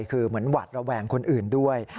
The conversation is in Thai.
คือเหมือนหวัดระแวงคนอื่นด้วย